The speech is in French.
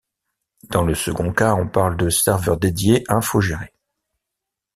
Dans le second cas, on parle de serveur dédié infogéré.